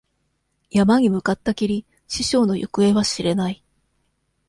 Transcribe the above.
山に向かったきり、師匠の行方は知れない。